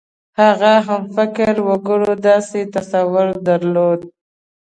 هغه همفکره وګړو داسې تصور درلود.